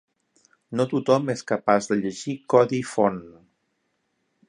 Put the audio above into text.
No tothom és capaç de llegir codi font.